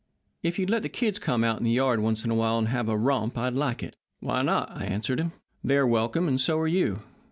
If you'd let the kids come out in the yard once in a while and have a romp I'd like it.' "'Why not?' I answered him. 'They're welcome, and so are you.